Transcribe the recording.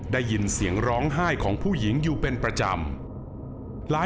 ได้ยินเสียงร้องไห้ของผู้หญิงอยู่เป็นประจำ